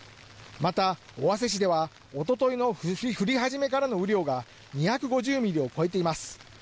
また尾鷲市ではおとといの降り始めからの雨量が２５０ミリを超えています。